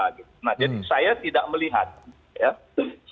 nah jadi saya tidak melihat ya